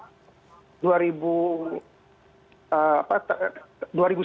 sejak awal dua ribu sembilan belas dia menjabat untuk kedua kalinya